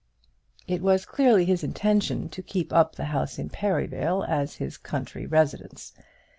It was clearly his intention to keep up the house in Perivale as his country residence.